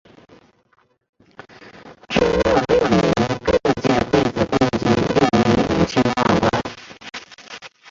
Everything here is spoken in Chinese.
淳佑六年各界会子共计六亿五千万贯。